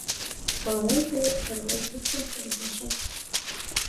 Мыланем теве Королёвын тичмашыже келша!